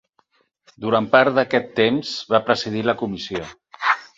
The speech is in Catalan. Durant part d'aquest temps va presidir la comissió.